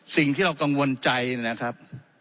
สิ่งที่เรากังวลใจนะครับ